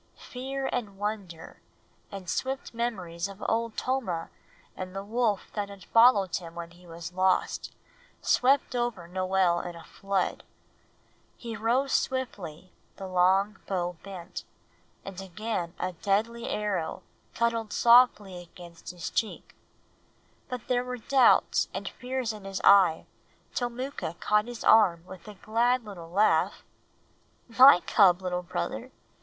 Fear and wonder, and swift memories of Old Tomah and the wolf that had followed him when he was lost, swept over Noel in a flood. He rose swiftly, the long bow bent, and again a deadly arrow cuddled softly against his cheek; but there were doubts and fears in his eye till Mooka caught his arm with a glad little laugh "My cub, little brother.